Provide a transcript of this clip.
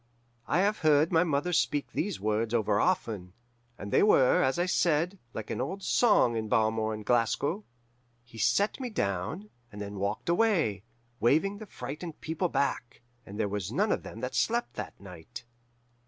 "I have heard my mother speak these words over often, and they were, as I said, like an old song in Balmore and Glasgow. He set me down, and then walked away, waving the frightened people back; and there was none of them that slept that night.